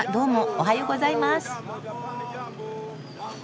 おはようございます。